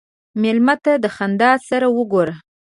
مېلمه ته د خندا سره وګوره.